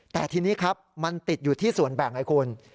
แต่ทีนี้ครับมันติดอยู่ที่ส่วนแบ่งไอ้คุณ